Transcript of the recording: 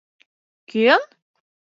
Кӧ-ӧн?